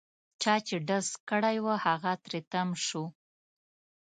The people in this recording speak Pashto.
چا چې ډز کړی وو هغه تري تم شو.